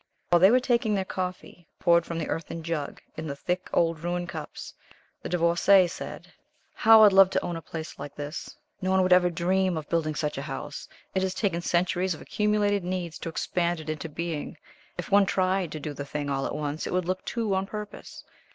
While they were taking their coffee, poured from the earthen jug, in the thick old Rouen cups, the Divorcée said: "How I'd love to own a place like this. No one would ever dream of building such a house. It has taken centuries of accumulated needs to expand it into being. If one tried to do the thing all at once it would look too on purpose.